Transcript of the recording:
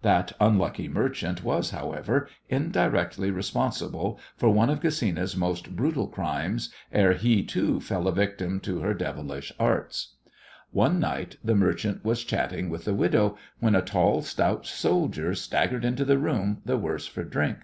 That unlucky merchant was, however, indirectly responsible for one of Gesina's most brutal crimes ere he, too, fell a victim to her devilish arts. One night the merchant was chatting with the widow, when a tall, stout soldier staggered into the room the worse for drink.